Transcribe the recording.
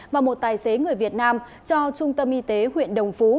và một tài xế người việt nam cho trung tâm y tế huyện đồng phú